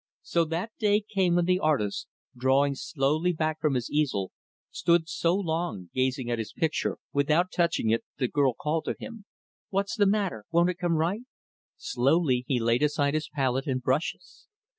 So that day came when the artist, drawing slowly back from his easel, stood so long gazing at his picture without touching it that the girl called to him, "What's the matter? Won't it come right?" Slowly he laid aside his palette and brushes.